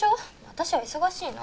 私は忙しいの。